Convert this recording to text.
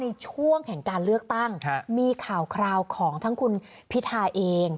ในช่วงแห่งการเลือกตั้งมีข่าวคราวของทั้งคุณพิทาเอง